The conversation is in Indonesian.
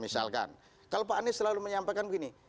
misalkan kalau pak anies selalu menyampaikan begini